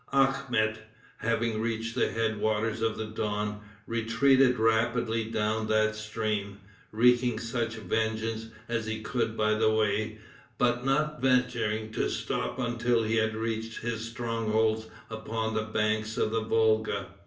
Akhmet, having reached the head waters of the Don, retreated rapidly down that stream, wreaking such vengeance as he could by the way, but not venturing to stop until he had reached his strongholds upon the banks of the Volga.